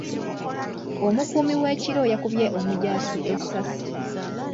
Omukuumi w'ekiro yakubye omujaasi essaasi.